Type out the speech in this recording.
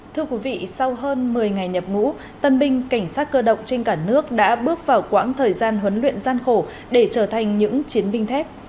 thưa quý vị sau hơn một mươi ngày nhập ngũ tân binh cảnh sát cơ động trên cả nước đã bước vào quãng thời gian huấn luyện gian khổ để trở thành những chiến binh thép